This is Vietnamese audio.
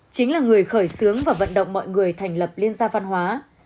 chính là người khởi xướng và vận động mọi người thành lập liên gia văn hóa